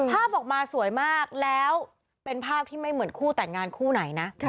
ภาพออกมาสวยมากแล้วเป็นภาพที่ไม่เหมือนคู่แต่งงานคู่ไหนนะ